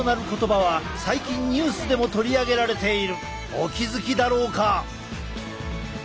お気付きだろうか？